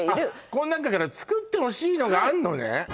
この中から作ってほしいのがあんのね